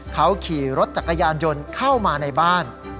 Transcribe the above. เขาขี่รถจักรยานยนต์เข้ามาในบ้าน